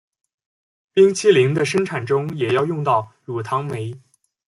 冰淇淋的生产中也要用到乳糖酶。